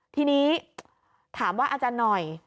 ทีนี้ถามว่าอาจารย์หน่อย